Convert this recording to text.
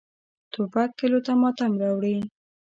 توپک کلیو ته ماتم راوړي.